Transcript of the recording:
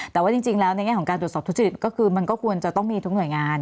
แต่ว่าจริงแล้วในแง่ของการตรวจสอบทุจริตก็คือมันก็ควรจะต้องมีทุกหน่วยงาน